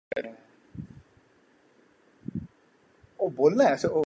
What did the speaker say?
کیا تم نے کبھی اسے غصے میں دیکھا ہے؟